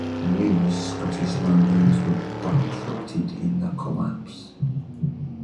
Numerous Scottish land owners were bankrupted in the collapse.